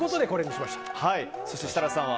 そして、設楽さんは。